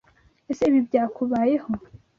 Ese ibi byakubayeho?